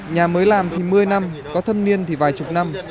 nhà mới làm thì một mươi năm có thâm niên thì vài chục năm